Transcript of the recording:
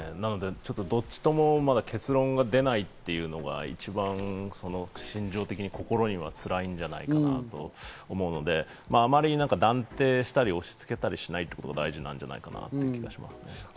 ちょっとどっちともまだ結論が出ないっていうのが一番心情的に、心には辛いんじゃないかなと思うので、あまりに断定したり押し付けたりしないということが大事なんじゃないかなという気がしますね。